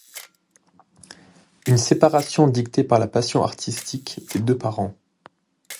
Une séparation dictée par la passion artistique des deux parents.